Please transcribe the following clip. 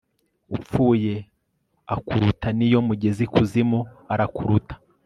upfuye akuruta niyo mugeze ikuzimu arakuruta